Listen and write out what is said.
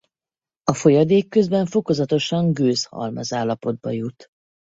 A folyadék közben fokozatosan gőz halmazállapotba jut.